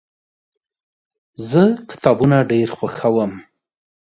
زه کتابونه ډیر خوښوم.